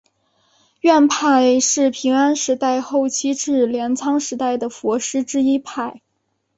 院派是平安时代后期至镰仓时代的佛师之一派。